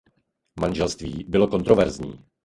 Manželství bylo kontroverzní.